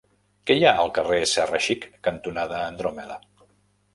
Què hi ha al carrer Serra Xic cantonada Andròmeda?